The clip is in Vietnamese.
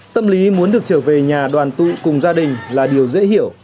tâm lý muốn được trở về nhà đoàn tụ cùng gia đình là điều dễ hiểu